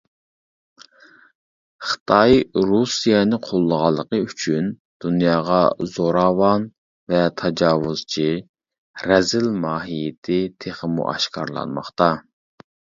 خىتاي رۇسىيەنى قوللىغانلىقى ئۈچۈن ،دۇنياغا زوراۋان ۋە تاجاۋۇزچى، رەزىل ماھىيىتى تېخىمۇ ئاشكارىلانماقتا.